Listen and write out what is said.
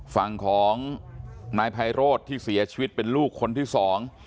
ฝั่งของนายไพโรธที่เสียชีวิตเป็นลูกคนที่สอง